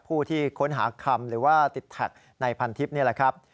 ผู้ที่ค้นหาคำหรือว่าติดแท็กในพันทิพย์นี่แหละครับ